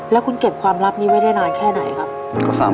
แล้วคุณเก็บความลับนี้ไว้ได้นานแค่ไหนครับ